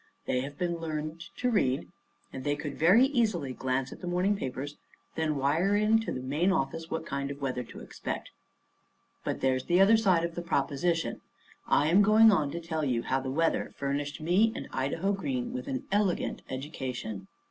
They have been learned to read; and they could very easily glance at the morning papers and then wire in to the main office what kind of weather to expect. But there's the other side of the proposition. I am going on to tell you how the weather furnished me and Idaho Green with an elegant education.